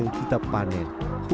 yang kita panen